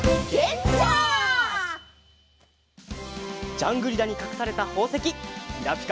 ジャングリラにかくされたほうせききらぴか